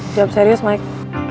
jawab serius mike